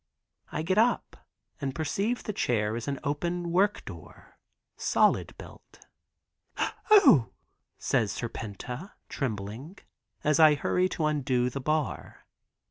I get up and perceive the chair is an open work door, solid built. "O," says Serpenta, trembling, as I hurry to undo the bar.